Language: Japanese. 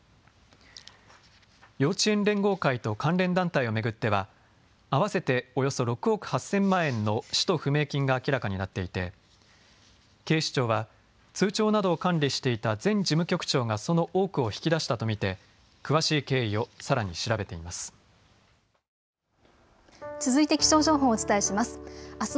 幼稚園連合会と関連団体を巡っては合わせておよそ６億８０００万円の使途不明金が明らかになっていて、警視庁は通帳などを管理していた前事務局長がその多くを引き出したと見て詳しい経緯をさらに調べています。